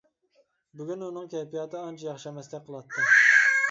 بۈگۈن ئۇنىڭ كەيپىياتى ئانچە ياخشى ئەمەستەك قىلاتتى.